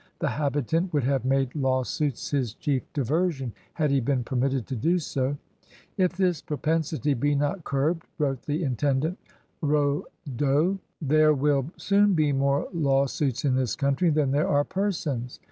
The habitant would have made lawsuits his chief diversion had he been permitted to do so. ^^If this propensity be not curbed/' wrote the intendant Raudot, ^' there will soon be more lawsuits in this country than there are persons."